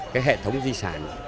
cái hệ thống di sản